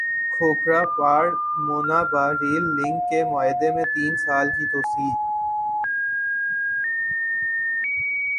کھوکھرا پار Munabao rail link کے معاہدے میں تین سال کی توسیع